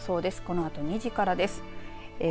このあと２時からです。